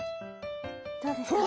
どうですか？